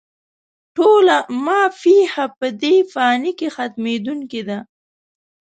ټوله «ما فيها» په دې فاني کې ختمېدونکې ده